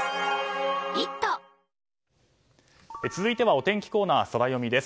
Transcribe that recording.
続いては、お天気コーナーソラよみです。